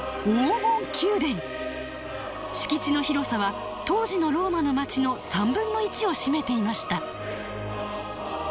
敷地の広さは当時のローマの街の３分の１を占めていました。